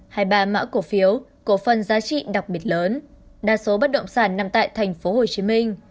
hay ba mã cổ phiếu cổ phần giá trị đặc biệt lớn đa số bắt động sản nằm tại tp hcm